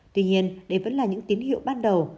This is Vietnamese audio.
tuy nhiên đây vẫn là những tín hiệu ban đầu